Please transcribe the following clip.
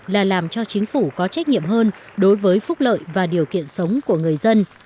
là làm cho chính phủ có trách nhiệm hơn đối với phúc lợi và điều kiện sống của người dân